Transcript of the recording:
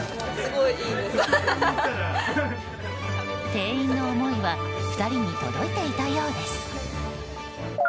店員の思いは２人に届いていたようです。